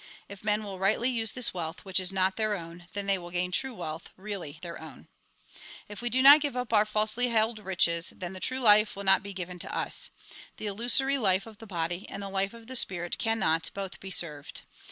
If men will rightly use this wealth, which is not their own, then they will gain true wealth, really their own. If we do not give up our falsely held riches, then the true life will not be given to us. The illusory life of the body, and the life of the spirit, cannot both be served.